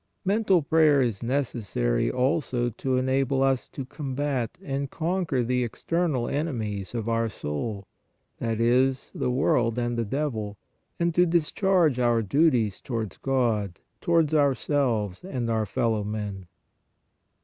Mental prayer is necessary also to enable us to combat and conquer the external enemies of our soul, that is, the world and the devil, and to discharge our duties towards God, towards ourselves and our fellow men.